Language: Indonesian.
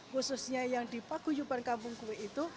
khususnya yang di pak guyuban kampung kue itu